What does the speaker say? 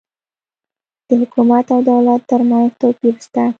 د حکومت او دولت ترمنځ توپیر سته